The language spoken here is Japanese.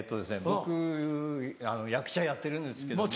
僕役者やってるんですけども。